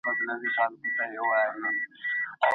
رواني ارامتیا د سالمو اړیکو زېږنده ده.